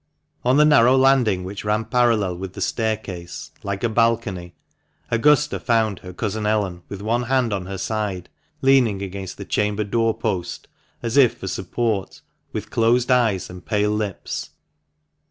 On the narrow landing which ran parallel with the staircase like a balcony, Augusta found her cousin Ellen, with one hand on her side, leaning against the chamber door post, as if for support, with closed eyes and pale lips.